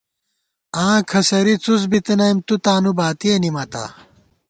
آں کھسَری څُس بی تنئیم، تُو تانُو باتِیہ نِمَتا